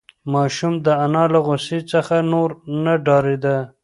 ماشوم د انا له غوسې څخه نور نه ډارېده.